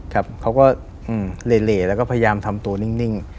ครับเขาก็เหล่แล้วก็พยายามทำตัวนิ่ง